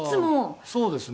「そうですね。